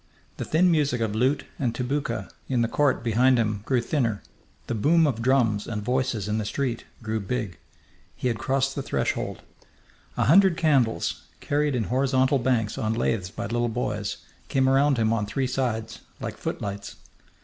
The thin music of lute and tabouka in the court behind him grew thinner; the boom of drums and voices in the street grew big. He had crossed the threshold. A hundred candles, carried in horizontal banks on laths by little boys, came around him on three sides, like footlights.